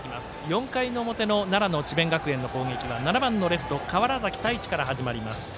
４回の表奈良の智弁学園の攻撃は７番のレフト川原崎太一から始まります。